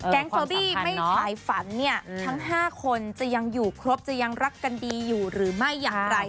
เฟอร์บี้ไม่ฉายฝันเนี่ยทั้ง๕คนจะยังอยู่ครบจะยังรักกันดีอยู่หรือไม่อย่างไร